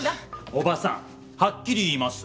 おばさんはっきり言います。